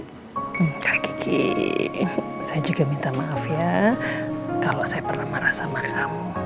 enggak kiki saya juga minta maaf ya kalau saya pernah marah sama kamu